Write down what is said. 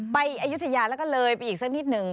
อายุทยาแล้วก็เลยไปอีกสักนิดหนึ่ง